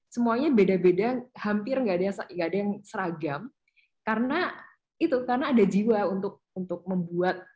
semuanya beda beda hampir nggak ada yang seragam karena itu karena ada jiwa untuk untuk membuat